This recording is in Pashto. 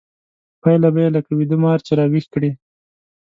پايله به يې لکه ويده مار چې راويښ کړې.